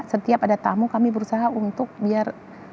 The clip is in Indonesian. setiap ada tamu kami berusaha untuk biar